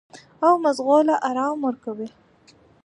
او مزغو له ارام ورکوي -